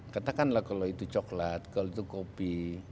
katakanlah kalau itu coklat kalau itu kopi